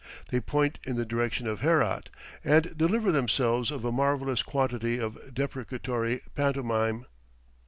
They point in the direction of Herat, and deliver themselves of a marvellous quantity of deprecatory pantomime.